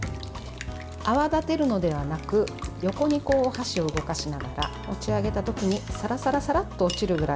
泡立てるのではなく横に箸を動かしながら持ち上げた時にサラサラサラッと落ちるぐらい。